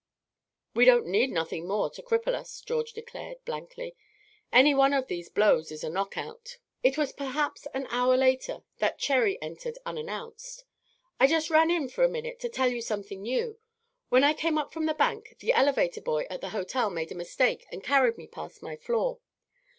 "We don't need nothing more to cripple us," George declared, blankly. "Any one of these blows is a knockout." It was perhaps an hour later that Cherry entered unannounced. "I just ran in for a minute to tell you something new. When I came up from the bank, the elevator boy at the hotel made a mistake and carried me past my floor.